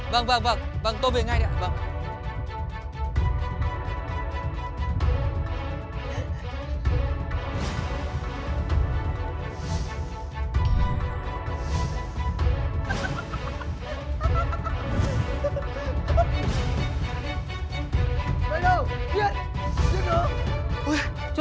vâng vâng vâng tôi về ngay đây ạ